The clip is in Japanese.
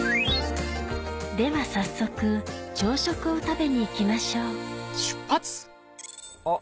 では早速朝食を食べに行きましょうあっ